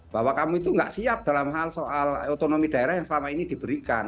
bahwa kamu itu nggak siap dalam hal soal otonomi daerah yang selama ini diberikan